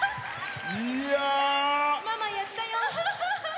ママ、やったよ！